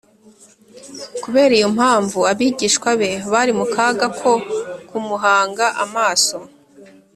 . Kubera iyo mpamvu, abigishwa be bari mu kaga ko kumuhanga amaso